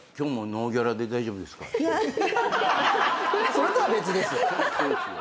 それとは別ですよ。